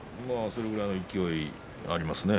それだけの勢いがありますね。